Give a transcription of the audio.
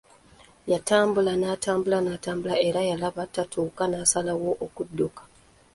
Yatambula, n’atambula, n’atambula era yalaba tatuuka n’asalawo okudduka.